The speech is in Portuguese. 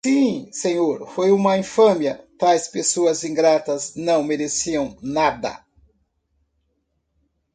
Sim senhor, foi uma infâmia; Tais pessoas ingratas não mereciam nada.